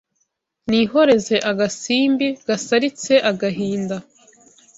Nihoreze agasimbi Kasaritse agahinda